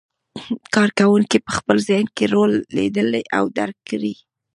کار کوونکي په خپل ذهن کې رول لیدلی او درک کړی.